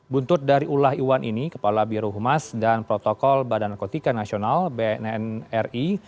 buntut dari ulah iwan ini kepala birohumas dan protokol badan narkotika nasional bnnri